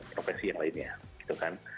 profesi yang lainnya gitu kan